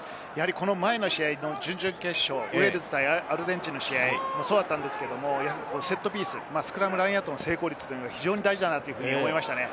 この前の試合、ウェールズ対アルゼンチンもそうだったんですけれど、セットピース、スクラム、ラインアウトの成功率が非常に大事だと思いました。